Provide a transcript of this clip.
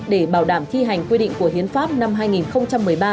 để bảo đảm thi hành quy định của hiến pháp năm hai nghìn một mươi ba